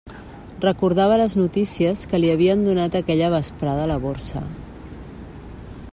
Recordava les notícies que li havien donat aquella vesprada a la Borsa.